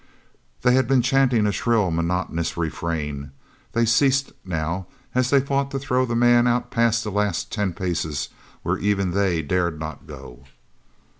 They had been chanting a shrill monotonous refrain. They ceased now as they fought to throw the man out past that last ten paces where even they dared not go.